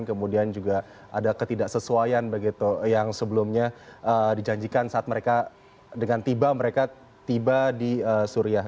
kemudian juga ada ketidaksesuaian begitu yang sebelumnya dijanjikan saat mereka dengan tiba mereka tiba di suriah